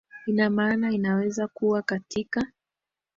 ina maana inaweza kuwa katika